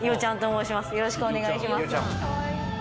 よろしくお願いします